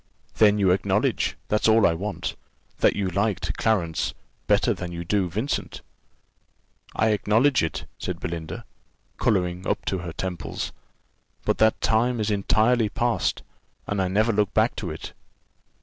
"Then you acknowledge that's all I want that you liked Clarence better than you do Vincent?" "I acknowledge it," said Belinda, colouring up to her temples; "but that time is entirely past, and I never look back to it."